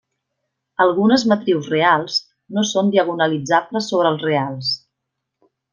Algunes matrius reals no són diagonalitzables sobre els reals.